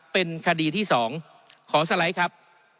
เป็นคดีที่๒ขอสไลด์ครับ